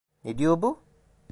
Ne diyor bu?